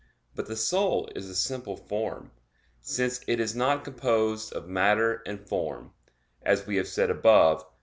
But the soul is a simple form; since it is not composed of matter and form, as we have said above (Q.